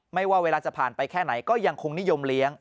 ว่าเวลาจะผ่านไปแค่ไหนก็ยังคงนิยมเลี้ยง